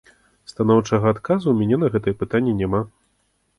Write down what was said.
Станоўчага адказу ў мяне на гэтае пытанне няма.